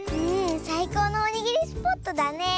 さいこうのおにぎりスポットだねえ。